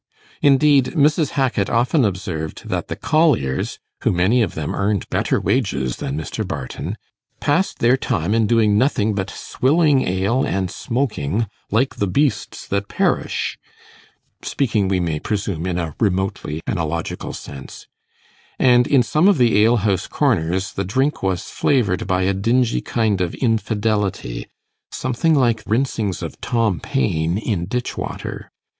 Indeed, Mrs. Hackit often observed that the colliers, who many of them earned better wages than Mr. Barton, 'passed their time in doing nothing but swilling ale and smoking, like the beasts that perish' (speaking, we may presume, in a remotely analogical sense); and in some of the alehouse corners the drink was flavoured by a dingy kind of infidelity, something like rinsings of Tom Paine in ditch water.